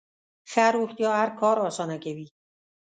ښه روغتیا هر کار اسانه کوي.